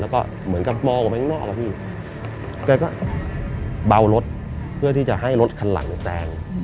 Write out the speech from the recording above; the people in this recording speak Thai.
แล้วก็เหมือนกับมองออกไปข้างนอกอะพี่แกก็เบารถเพื่อที่จะให้รถคันหลังแซง